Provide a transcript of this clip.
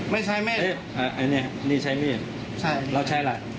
ไม่ใช้มีดอันนี้นี่ใช้มีดเราใช้อะไร